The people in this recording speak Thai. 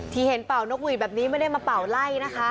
ที่เห็นเป่านกหวีดแบบนี้ไม่ได้มาเป่าไล่นะคะ